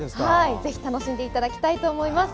ぜひ楽しんでいただきたいと思います。